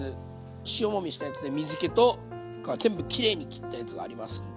塩もみしたやつで水けとか全部きれいに切ったやつがありますんで。